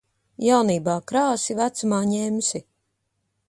Jaunībā krāsi, vecumā ņemsi.